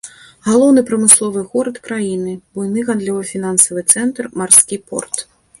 Галоўны прамысловы горад краіны, буйны гандлёва-фінансавы цэнтр, марскі порт.